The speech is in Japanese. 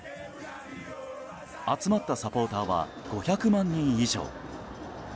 集まったサポーターは５００万人以上。